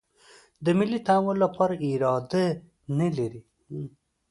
د ملي تحول لپاره اراده نه لري.